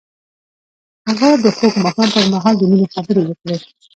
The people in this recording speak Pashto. هغه د خوږ ماښام پر مهال د مینې خبرې وکړې.